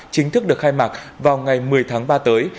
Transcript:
chính thức được khai mạc vào ngày một mươi tháng ba tới